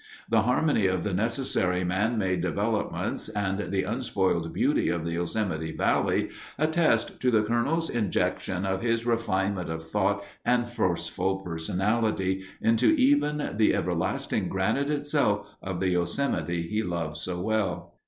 The harmony of the necessary man made developments and the unspoiled beauty of the Yosemite Valley attest to the Colonel's injection of his refinement of thought and forceful personality, into even the everlasting granite itself of the Yosemite he loved so well."